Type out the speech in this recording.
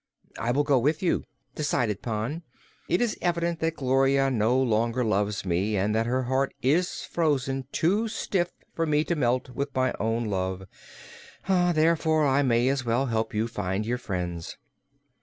"I will go with you," decided Pon. "It is evident that Gloria no longer loves me and that her heart is frozen too stiff for me to melt it with my own love; therefore I may as well help you to find your friends."